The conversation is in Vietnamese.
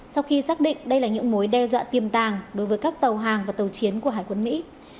sau khi xác định đây là những mối đe dọa tiềm tàng đối với các tàu hàng và tàu chiến của hải quân mỹ